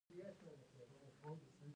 د فیل خړتوم او کونګ سترګي